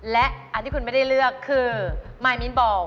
และอันที่คุณไม่ได้เลือกคือมายมิ้นบอล